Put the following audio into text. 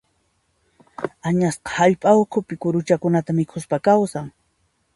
Añasqa hallp'a ukhu kuruchakunata mikhuspa kawsan.